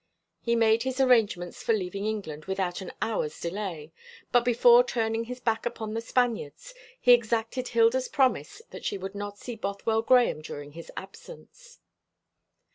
He made his arrangements for leaving England without an hour's delay; but before turning his back upon The Spaniards, he exacted Hilda's promise that she would not see Bothwell Grahame during his absence.